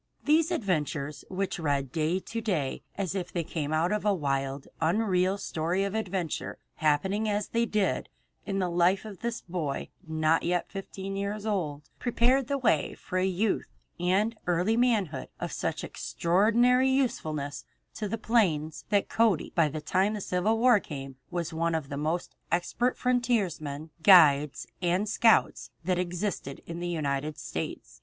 These adventures, which read to day as if they came out of a wild, unreal story of adventure, happening as they did in the life of this boy not yet fifteen years old, prepared the way for a youth and early manhood of such extraordinary usefulness to the plains that Cody by the time the Civil War came was one of the most expert frontiersmen, guides, and scouts that existed in the United States.